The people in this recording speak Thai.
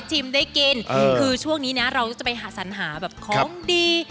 ได้กินคือช่วงนี้นะเราจะไปหาสัญหาแบบของดี